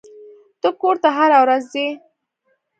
ته کور ته هره ورځ ځې.